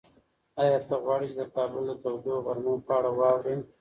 ایا ته غواړې چې د کابل د تودو غرمو په اړه واورې؟